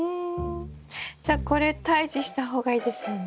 じゃあこれ退治した方がいいですよね？